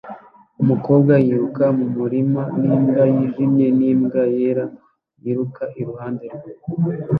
Umukobwa yiruka mu murima n'imbwa yijimye n'imbwa yera yiruka iruhande rwe